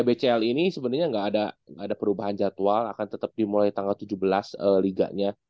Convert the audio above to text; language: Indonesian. bcl ini sebenarnya nggak ada perubahan jadwal akan tetap dimulai tanggal tujuh belas liganya